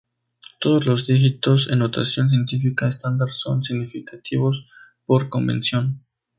Todos los dígitos en notación científica estándar son significativos por convención.